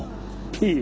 いい？